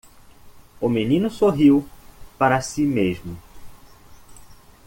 O menino sorriu para si mesmo.